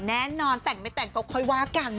แน่นอนแต่งไม่แต่งก็ค่อยว่ากัน